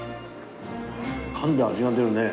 かんで味が出るね。